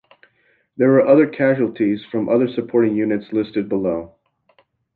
There were other casualties from other supporting units listed below.